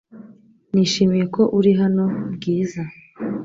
Nishimiye ko uri hano, Bwiza.